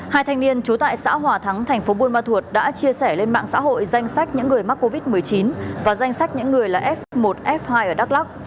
hai thanh niên trú tại xã hòa thắng thành phố buôn ma thuột đã chia sẻ lên mạng xã hội danh sách những người mắc covid một mươi chín và danh sách những người là f một f hai ở đắk lắk